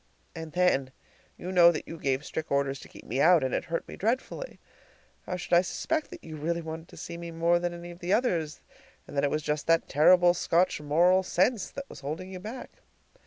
And then you know that you gave strict orders to keep me out; and it hurt me dreadfully. How should I suspect that you really wanted to see me more than any of the others, and that it was just that terrible Scotch moral sense that was holding you back?